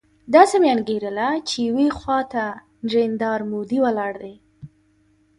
داسې مې انګېرله چې يوې خوا ته نریندرا مودي ولاړ دی.